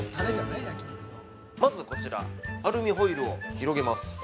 ◆まずこちらアルミホイルを広げます。